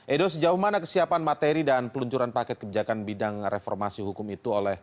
edo sejauh mana kesiapan materi dan peluncuran paket kebijakan bidang reformasi hukum itu oleh